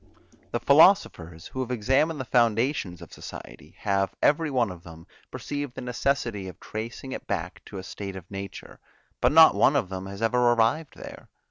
The philosophers, who have examined the foundations of society, have, every one of them, perceived the necessity of tracing it back to a state of nature, but not one of them has ever arrived there.